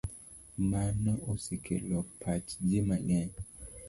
Mano oseloko pach ji mang'eny.